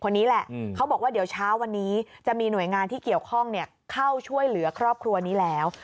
นี่แหละเขาบอกว่าเดี๋ยวเช้าวันนี้จะมีหน่วยงานที่เกี่ยวข้องเข้าช่วยเหลือครอบครัวนี้แล้ว